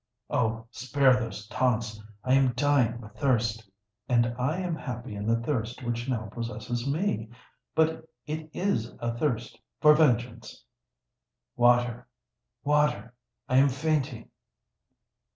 "Oh! spare those taunts! I am dying with thirst." "And I am happy in the thirst which now possesses me—but it is a thirst for vengeance!" "Water—water! I am fainting."